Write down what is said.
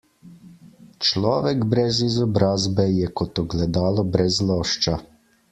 Človek brez izobrazbe je kot ogledalo brez lošča.